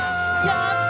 やった！